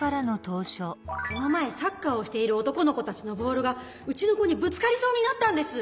この前サッカーをしている男の子たちのボールがうちの子にぶつかりそうになったんです！